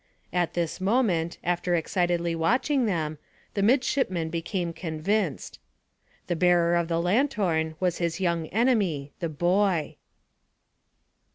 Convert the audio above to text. At this moment, after excitedly watching them, the midshipman became convinced. The bearer of the lanthorn was his young enemy the boy.